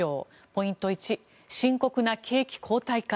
ポイント１深刻な景気後退か。